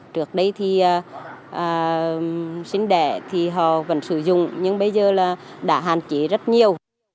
trước đây thì sinh đẻ thì họ vẫn sử dụng nhưng bây giờ là đã hạn chế rất nhiều